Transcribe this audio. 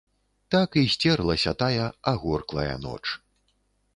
Так і сцерлася тая агорклая ноч.